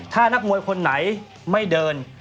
ถ้านักมวยคนไหนไม่เดิน